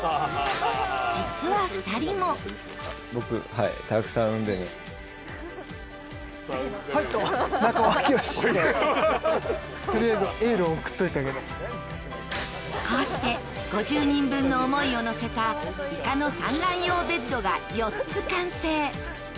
実は２人もこうして５０人分の思いをのせたイカの産卵用ベッドが４つ完成。